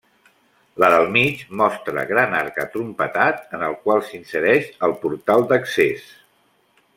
La del mig, mostra gran arc atrompetat en el qual s'insereix el portal d'accés.